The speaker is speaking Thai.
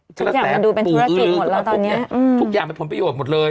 ทุกอย่างมันดูเป็นธุรกิจหมดแล้วตอนนี้ทุกอย่างเป็นผลประโยชน์หมดเลย